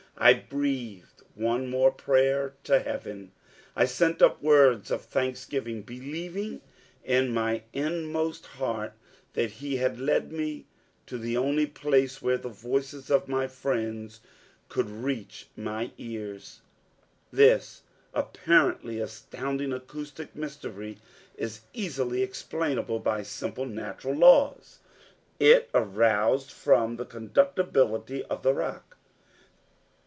I breathed one more prayer to Heaven, I sent up words of thanksgiving believing in my inmost heart that He had led me to the only place where the voices of my friends could reach my ears. This apparently astounding acoustic mystery is easily explainable by simple natural laws; it arose from the conductibility of the rock.